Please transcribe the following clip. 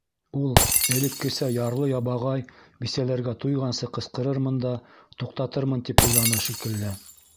Ул, элеккесә, ярлы-ябағай бисәләргә туйғансы ҡысҡырырмын да туҡтатырмын тип уйланы, шикелле.